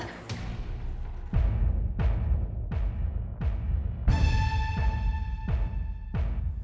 aku harus pengen minum